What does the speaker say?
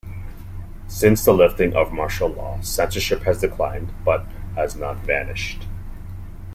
Since the lifting of martial law, censorship has declined but has not vanished.